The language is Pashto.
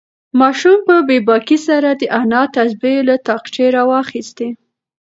ماشوم په بې باکۍ سره د انا تسبیح له تاقچې راوخیستې.